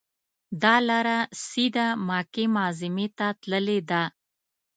دا لاره سیده مکې معظمې ته تللې ده.